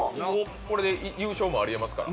これで優勝もあり得ますから。